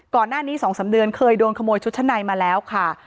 ก่อนหน้านี้๒๓เดือนเคยโดนขโมยชุดชั้นในมาแล้วค่ะ